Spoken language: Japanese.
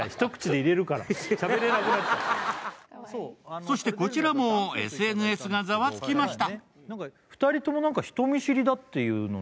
そして、こちらもＳＮＳがざわつきました。